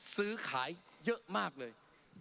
ซื้อขายเยอะมากเลย